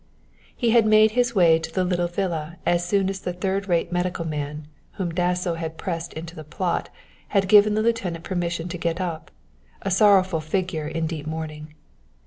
He had made his way to the little villa as soon as the third rate medical man, whom Dasso had pressed into the plot, had given the lieutenant permission to get up, a sorrowful figure in deep mourning.